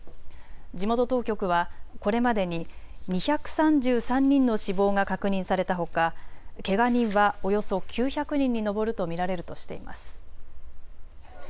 地元当局はこれまでに２３３人の死亡が確認されたほかけが人はおよそ９００人に上ると見られるとしています。